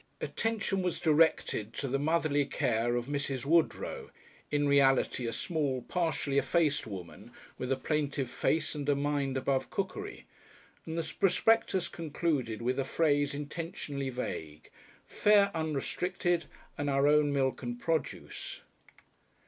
Attention was directed to the "motherly" care of Mrs. Woodrow in reality a small partially effaced woman with a plaintive face and a mind above cookery; and the prospectus concluded with a phrase intentionally vague, "Fare unrestricted, and our own milk and produce."